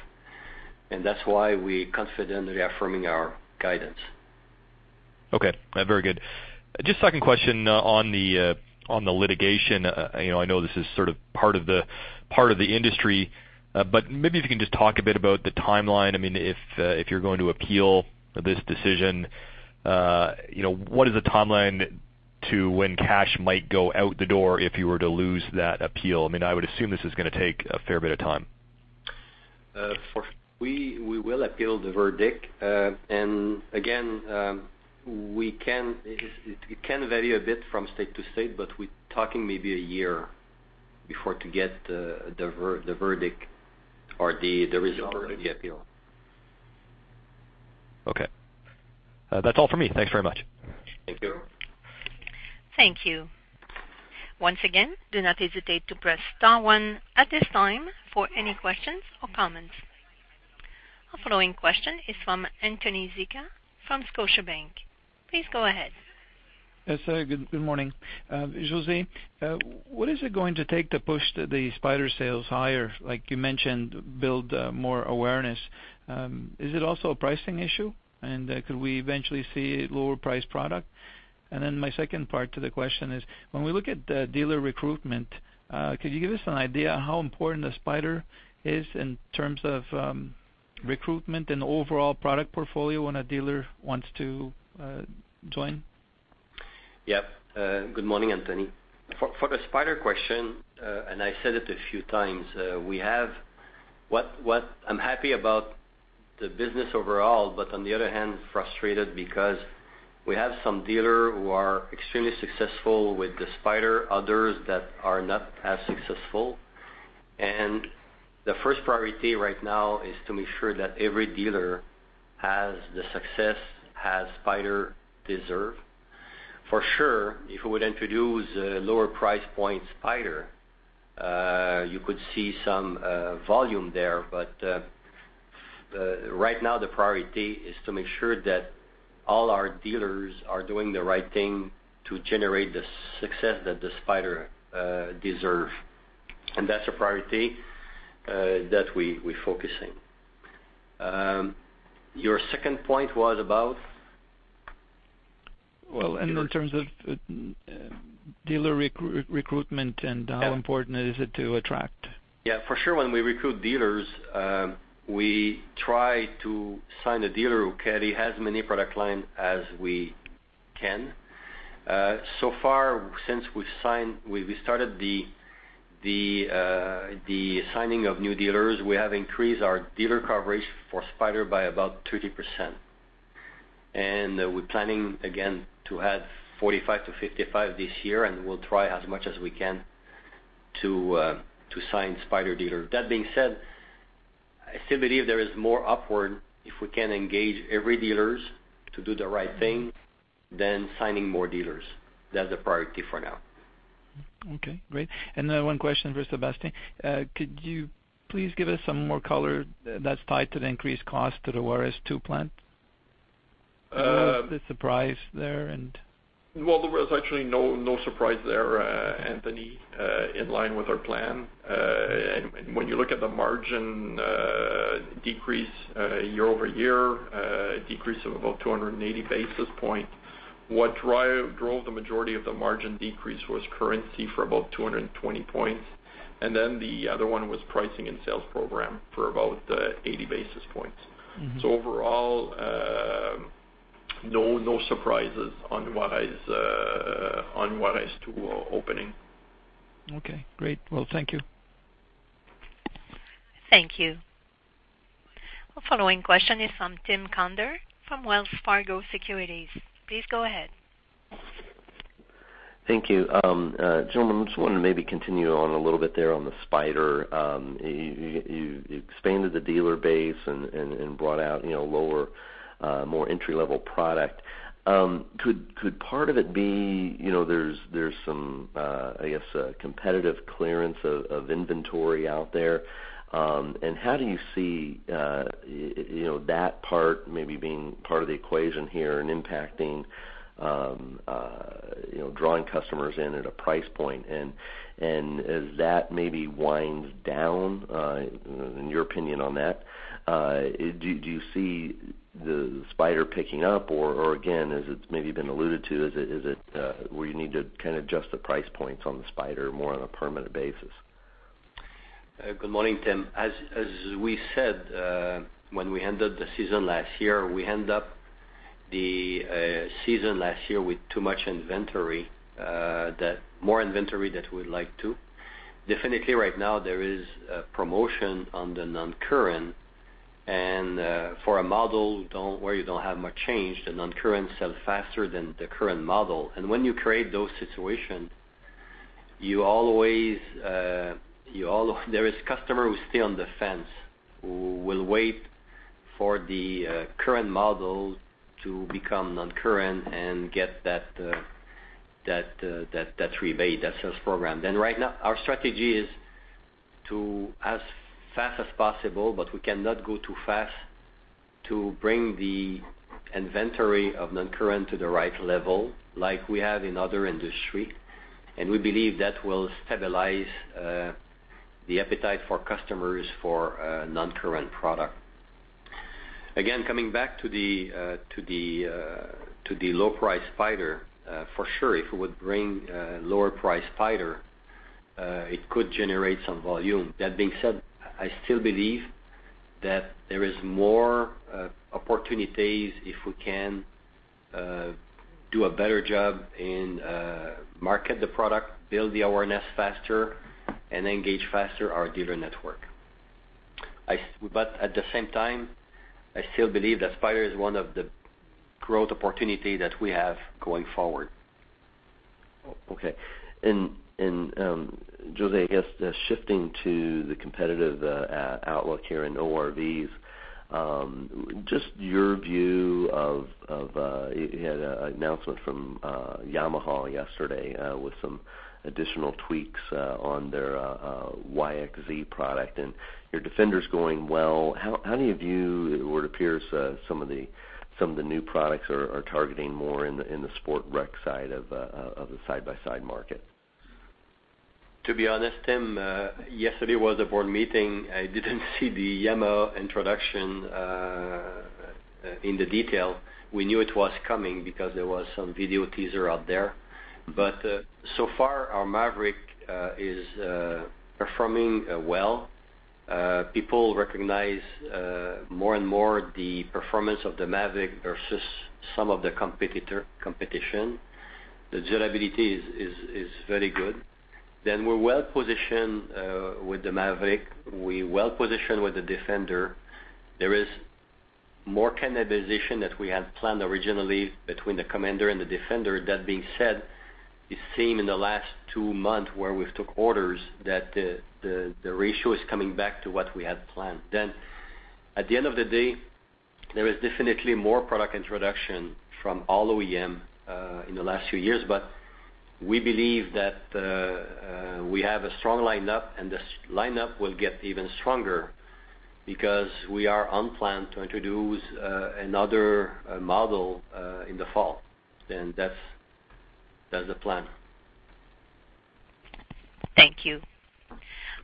and that is why we confidently are affirming our guidance. Okay. Very good. Just second question on the litigation. I know this is sort of part of the industry. Maybe if you can just talk a bit about the timeline, if you're going to appeal this decision. What is the timeline to when cash might go out the door if you were to lose that appeal? I would assume this is going to take a fair bit of time. We will appeal the verdict. Again, it can vary a bit from state to state, we're talking maybe a year before to get the verdict or the result of the appeal. Okay. That's all for me. Thanks very much. Thank you. Thank you. Once again, do not hesitate to press star one at this time for any questions or comments. Our following question is from Anthony Zicha from Scotiabank. Please go ahead. Yes. Good morning. José, what is it going to take to push the Spyder sales higher? Like you mentioned, build more awareness. Is it also a pricing issue? Could we eventually see a lower priced product? My second part to the question is, when we look at dealer recruitment, could you give us an idea how important the Spyder is in terms of recruitment and overall product portfolio when a dealer wants to join? Yep. Good morning, Anthony. For the Spyder question, I said it a few times, I'm happy about the business overall, on the other hand, frustrated because we have some dealer who are extremely successful with the Spyder, others that are not as successful. The first priority right now is to make sure that every dealer has the success as Spyder deserve. For sure, if we would introduce a lower price point Spyder, you could see some volume there. Right now, the priority is to make sure that all our dealers are doing the right thing to generate the success that the Spyder deserve. That's a priority that we're focusing. Your second point was about? Well, in terms of dealer recruitment and how important is it to attract. Yeah. For sure, when we recruit dealers, we try to sign a dealer who carry as many product line as we can. So far, since we started the signing of new dealers, we have increased our dealer coverage for Spyder by about 30%. We're planning again to add 45 to 55 this year, and we'll try as much as we can to sign Spyder dealer. That being said, I still believe there is more upward if we can engage every dealers to do the right thing than signing more dealers. That's the priority for now. Okay, great. One question for Sébastien. Could you please give us some more color that's tied to the increased cost to the Juarez 2 plant? Was this a surprise there and Well, there was actually no surprise there, Anthony, in line with our plan. When you look at the margin decrease year-over-year, a decrease of about 280 basis points. What drove the majority of the margin decrease was currency for about 220 points, the other one was pricing and sales program for about 80 basis points. Overall, no surprises on Juarez 2 opening. Okay, great. Well, thank you. Thank you. Our following question is from Tim Conder from Wells Fargo Securities. Please go ahead. Thank you. Gentlemen, I just wanted to maybe continue on a little bit there on the Spyder. You expanded the dealer base and brought out lower, more entry-level product. Could part of it be there's some, I guess, competitive clearance of inventory out there? How do you see that part maybe being part of the equation here and impacting, drawing customers in at a price point? As that maybe winds down, in your opinion on that, do you see the Spyder picking up or again, as it's maybe been alluded to, is it where you need to kind of adjust the price points on the Spyder more on a permanent basis? Good morning, Tim. As we said when we ended the season last year, we end up the season last year with too much inventory, that more inventory that we'd like to. Definitely right now there is a promotion on the non-current, for a model where you don't have much change, the non-current sell faster than the current model. When you create those situation, there is customer who stay on the fence, who will wait for the current model to become non-current and get that rebate, that sales program. Right now our strategy is to as fast as possible, but we cannot go too fast to bring the inventory of non-current to the right level like we have in other industry. We believe that will stabilize the appetite for customers for non-current product. Coming back to the low price Spyder, for sure, if we would bring a lower price Spyder, it could generate some volume. I still believe that there is more opportunities if we can do a better job in market the product, build the awareness faster, and engage faster our dealer network. At the same time, I still believe that Spyder is one of the growth opportunity that we have going forward. Okay. José, I guess shifting to the competitive outlook here in ORVs, just your view of You had an announcement from Yamaha yesterday with some additional tweaks on their YXZ product, and your Defender's going well. How do you view where it appears some of the new products are targeting more in the sport rec side of the side-by-side market? To be honest, Tim, yesterday was a board meeting. I didn't see the Yamaha introduction in the detail. We knew it was coming because there was some video teaser out there. So far our Maverick is performing well. People recognize more and more the performance of the Maverick versus some of the competition. The durability is very good. We're well positioned with the Maverick. We're well positioned with the Defender. There is more cannibalization that we had planned originally between the Commander and the Defender. It seem in the last two months where we've took orders that the ratio is coming back to what we had planned. At the end of the day, there is definitely more product introduction from all OEM in the last few years, but we believe that we have a strong lineup, and this lineup will get even stronger because we are on plan to introduce another model in the fall. That's the plan. Thank you.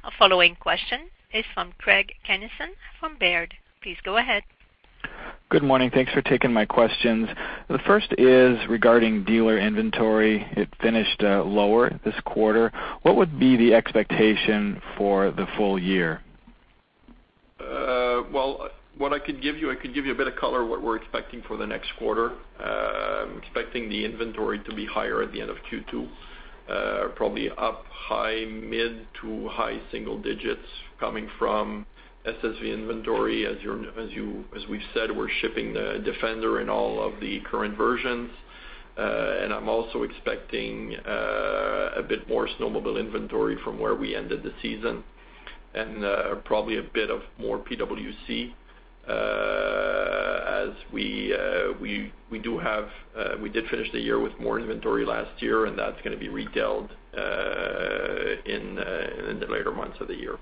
Our following question is from Craig Kennison from Baird. Please go ahead. Good morning. Thanks for taking my questions. The first is regarding dealer inventory. It finished lower this quarter. What would be the expectation for the full year? Well, what I could give you, I could give you a bit of color what we're expecting for the next quarter. Expecting the inventory to be higher at the end of Q2, probably up high mid to high single digits coming from SSV inventory. As we've said, we're shipping the Defender in all of the current versions. I'm also expecting a bit more snowmobile inventory from where we ended the season and probably a bit of more PWC. As we did finish the year with more inventory last year, and that's going to be retailed in the later months of the year.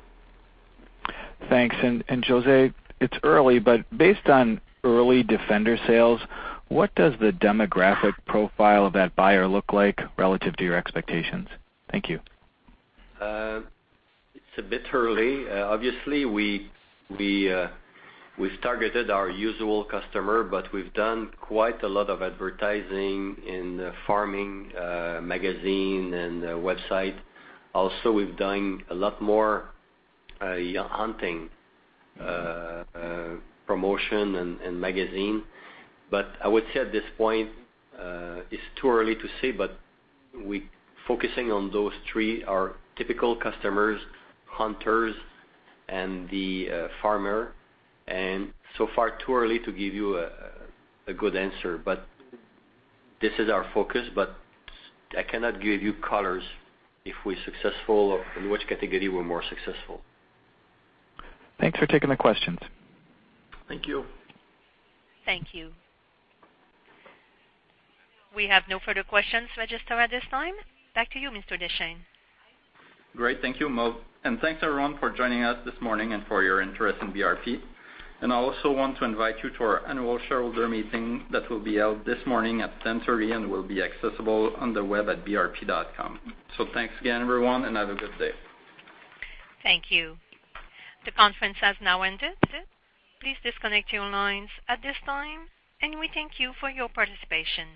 Thanks. José, it's early, but based on early Defender sales, what does the demographic profile of that buyer look like relative to your expectations? Thank you. It's a bit early. Obviously we've targeted our usual customer, but we've done quite a lot of advertising in farming magazine and website. Also, we've done a lot more hunting promotion and magazine. I would say at this point, it's too early to say, but we focusing on those three, our typical customers, hunters, and the farmer, and so far too early to give you a good answer. This is our focus, but I cannot give you colors if we're successful or in which category we're more successful. Thanks for taking the questions. Thank you. Thank you. We have no further questions registered at this time. Back to you, Mr. Deschênes. Great. Thank you, Maude. Thanks, everyone, for joining us this morning and for your interest in BRP. I also want to invite you to our annual shareholder meeting that will be held this morning at 10:30 A.M. and will be accessible on the web at brp.com. Thanks again, everyone, and have a good day. Thank you. The conference has now ended. Please disconnect your lines at this time, and we thank you for your participation.